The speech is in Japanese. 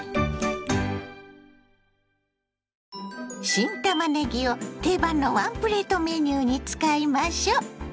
新たまねぎを定番のワンプレートメニューに使いましょ。